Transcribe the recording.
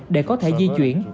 để có thể di chuyển